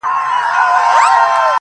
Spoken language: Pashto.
• پر سینه یې د تیرې مشوکي وار سو ,